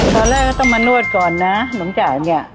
ตอนแรกก็ต้องมานวดก่อนนะหมจ่ายเนี่ย